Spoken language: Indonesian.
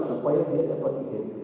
supaya dia dapat imb